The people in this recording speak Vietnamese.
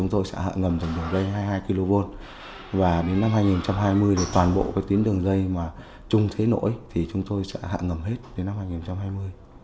tầm tầm đường dây hai mươi hai kv và đến năm hai nghìn hai mươi thì toàn bộ cái tuyến đường dây mà trung thế nổi thì chúng tôi sẽ hạ ngầm hết đến năm hai nghìn hai mươi